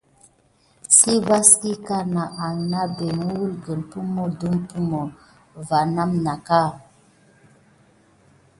Sey vaskana anebat uwluk pummo dupummo va mena naka.